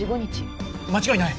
間違いない。